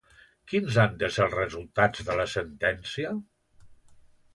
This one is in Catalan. Quins han de ser els resultats de la sentència?